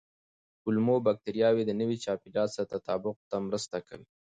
کولمو بکتریاوې د نوي چاپېریال سره تطابق ته مرسته کوي.